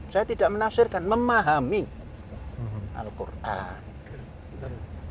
saya tidak menasirkan memahami al quran